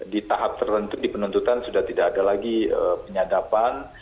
di tahap tertentu di penuntutan sudah tidak ada lagi penyadapan